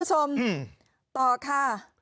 สวัสดีคุณผู้ชมต่อค่ะ